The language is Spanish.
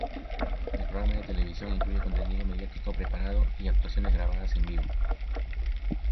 El programa de televisión incluye contenido mediático preparado y actuaciones grabadas en vivo.